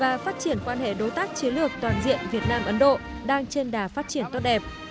và phát triển quan hệ đối tác chiến lược toàn diện việt nam ấn độ đang trên đà phát triển tốt đẹp